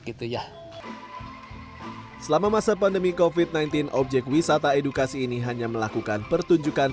gitu ya selama masa pandemi kofit sembilan belas objek wisata edukasi ini hanya melakukan pertunjukan